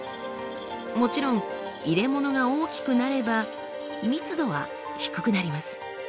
もちろん入れ物が大きくなれば密度は低くなります。